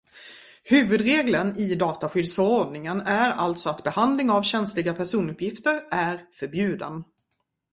Huvudregeln i dataskyddsförordningen är alltså att behandling av känsliga personuppgifter är förbjuden.